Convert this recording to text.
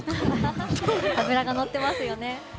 脂がのってますよね。